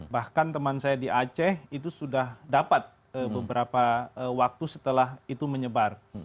bahkan teman saya di aceh itu sudah dapat beberapa waktu setelah itu menyebar